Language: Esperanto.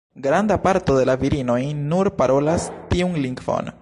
Granda parto de la virinoj nur parolas tiun lingvon.